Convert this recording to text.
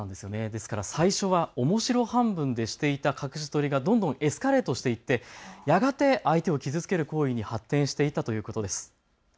ですから最初はおもしろ半分でしていた隠し撮りがどんどんエスカレートしていって、やがて相手を傷つける行為に発展していったということです。